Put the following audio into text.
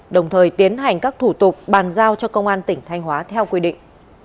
đồng thời tiến hành các thủ tục bàn giao cho công an tỉnh thanh hóa theo quy định